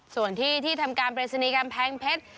ส่วนที่ที่ทำการปริศนีย์กำแพงเพชร